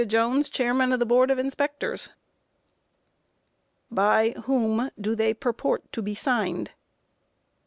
Jones, Chairman of the Board of Inspectors. Q. By whom do they purport to be signed? A.